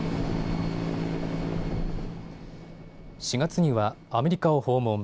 ４月にはアメリカを訪問。